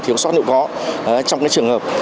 thiếu sót nụ có trong cái trường hợp